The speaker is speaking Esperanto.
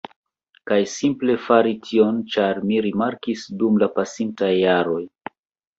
Kaj simple fari tion, ĉar mi rimarkis dum la pasintaj jaroj